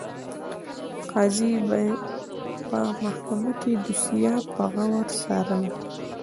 قاضي به په محکمه کې دوسیه په غور څارله.